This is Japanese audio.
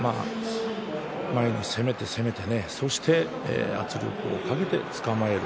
前に攻めて攻めてそして圧力をかけてつかまえる。